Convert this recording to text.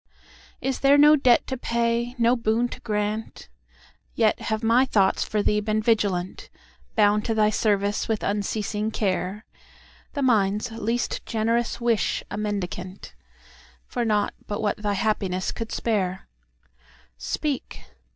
Is there no debt to pay, no boon to grant? Yet have my thoughts for thee been vigilant, Bound to thy service with unceasing care—The mind's least generous wish a mendicantFor nought but what thy happiness could spare. Speak!